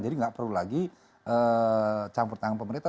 jadi nggak perlu lagi campur tangan pemerintah